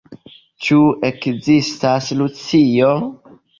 Ĉu ekzistas Rusio?